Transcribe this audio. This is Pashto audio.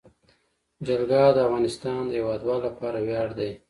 جلګه د افغانستان د هیوادوالو لپاره ویاړ دی.